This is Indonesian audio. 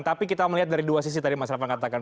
tapi kita melihat dari dua sisi tadi mas raff katakan